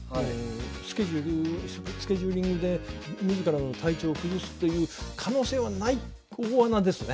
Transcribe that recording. スケジュールスケジューリングで自らの体調を崩すという可能性はない大穴。